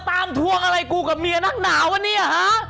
ทวงอะไรกูกับเมียนักหนาวะเนี่ยฮะ